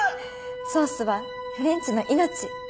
ソースはフレンチの命。